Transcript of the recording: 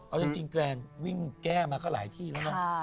เอาจริงแกรนวิ่งแก้มาก็หลายที่แล้วเนอะ